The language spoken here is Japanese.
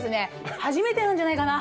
初めてなんじゃないかな。